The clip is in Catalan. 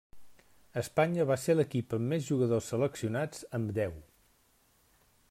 Espanya va ser l'equip amb més jugadors seleccionats amb deu.